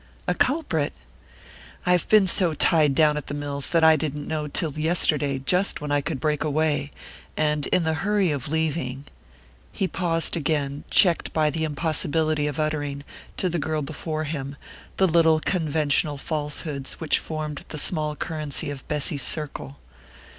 "A culprit?" "I've been so tied down at the mills that I didn't know, till yesterday, just when I could break away; and in the hurry of leaving " He paused again, checked by the impossibility of uttering, to the girl before him, the little conventional falsehoods which formed the small currency of Bessy's circle.